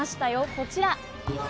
こちら。